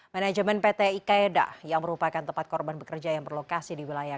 manajemen pt ikaeda yang merupakan tempat korban bekerja yang berlokasi di wilayah